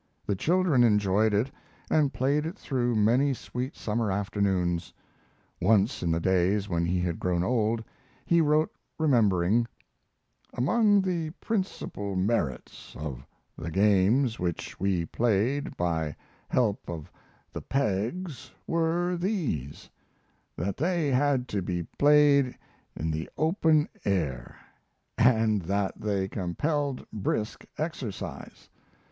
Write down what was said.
The children enjoyed it, and played it through many sweet summer afternoons. Once, in the days when he had grown old, he wrote, remembering: Among the principal merits of the games which we played by help of the pegs were these: that they had to be played in the open air, and that they compelled brisk exercise.